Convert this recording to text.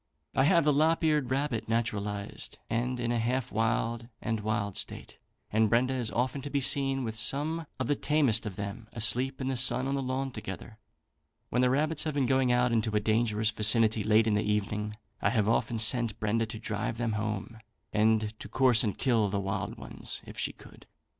"I have the lop eared rabbit naturalised, and in a half wild and wild state, and Brenda is often to be seen with some of the tamest of them asleep in the sun on the lawn together. When the rabbits have been going out into a dangerous vicinity, late in the evening, I have often sent Brenda to drive them home, and to course and kill the wild ones if she could.